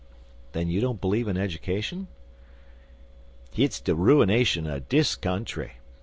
"Then you don't believe in education?" "Hit's de ruinashun er dis country.